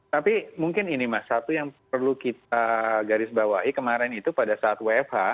tapi mungkin ini mas satu yang perlu kita garisbawahi kemarin itu pada saat wfa